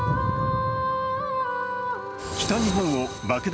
北日本を爆弾